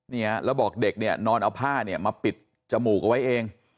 เนี่ยแล้วบอกเด็กเนี่ยนอนเอาผ้าเนี่ยมาปิดจมูกเอาไว้เอง